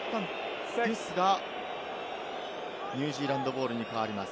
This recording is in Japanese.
ニュージーランドボールに変わります。